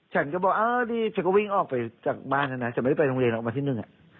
ฉันก็บอกเออนี่ฉันก็วิ่งออกไปจากบ้านแล้วนะฉันไม่ได้ไปโรงเรียนออกมาที่หนึ่ง